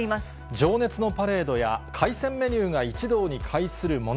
情熱のパレードや海鮮メニューが一堂に会するもの、